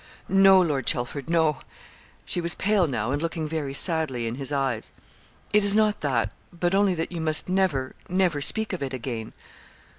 'No, Lord Chelford, no.' She was pale now, and looking very sadly in his eyes. 'It is not that, but only that you must never, never speak of it again.'